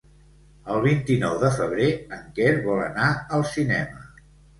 El vint-i-nou de febrer en Quer vol anar al cinema.